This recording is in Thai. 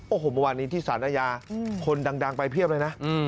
โอ้โฮมันวันนี้ที่ศาลนายาคนดังไปเพียบเลยนะ